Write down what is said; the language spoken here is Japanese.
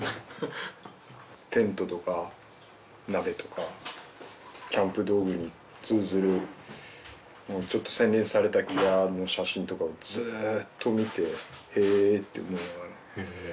テントとか鍋とかキャンプ道具に通ずるちょっと洗練されたギアの写真とかをずっと見てへぇって思いながらへぇ